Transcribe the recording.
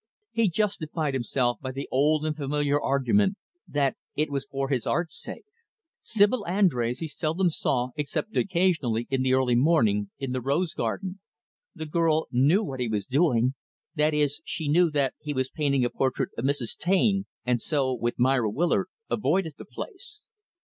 He justified himself by the old and familiar argument that it was for his art's sake. Sibyl Andrés, he seldom saw, except occasionally, in the early morning, in the rose garden. The girl knew what he was doing that is, she knew that he was painting a portrait of Mrs. Taine and so, with Myra Willard, avoided the place.